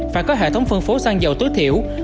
phải có hệ thống phân phối xăng dầu tối thiểu